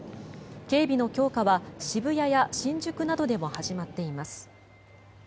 警備の強化は渋谷や新宿などでも始まっています。